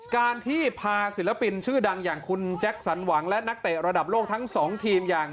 การที่พาศิลปินชื่อดังอย่างคุณแจ็คสันหวังและนักเตะระดับโลกทั้ง๒ทีมอย่าง